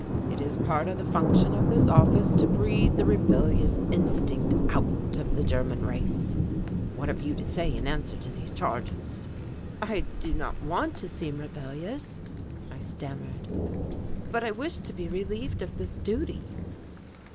It is part of the function of this office to breed the rebellious instinct out of the German race. What have you to say in answer to these charges?" "I do not want to seem rebellious," I stammered, "but I wish to be relieved of this duty."